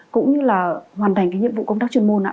cũng như là hoàn thành nhiệm vụ công tác chuyên môn